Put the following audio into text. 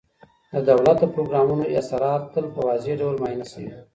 د دولت د پروګرامونو اثرات تل په واضح ډول معاینه سوي.